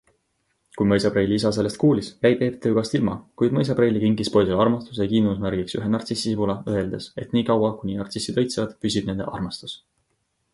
Kui mõisapreili isa sellest kuulis, jäi Peep töökohast ilma, kuid mõisapreili kinkis poisile armastuse ja kiindumuse märgiks ühe nartsissisibula, öeldes, et nii kaua, kuni nartsissid õitsevad, püsib nende armastus.